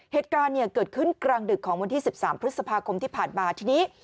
เหตุการณ์เนี่ยเกิดขึ้นกลางดึกของวันที่๑๓พฤษภาคมที่ผ่านมาทีนี้